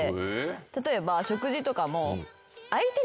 例えば食事とかも。